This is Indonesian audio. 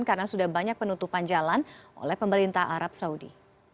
karena sudah banyak penutupan jalan oleh pemerintah arab saudi